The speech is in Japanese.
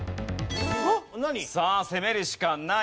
さあ攻めるしかない。